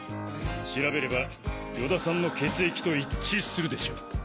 調べれば与田さんの血液と一致するでしょう。